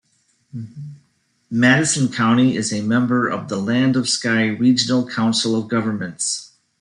Madison County is a member of the Land-of-Sky Regional Council of governments.